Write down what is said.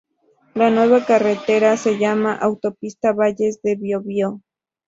La nueva carretera se llama Autopista Valles del Biobío.